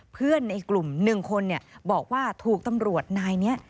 เพื่อนในกลุ่ม๑คนบอกว่าถูกตำรวจนายนี้